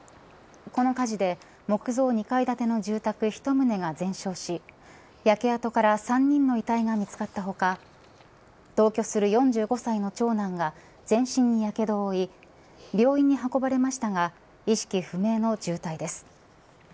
この火事で木造２階建ての住宅１棟が全焼し焼け跡から３人の遺体が見つかった他同居する４５歳の長男が全身にやけどを負い病院に運ばれましたが意識不明の重体です。